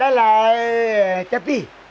đây là cha pi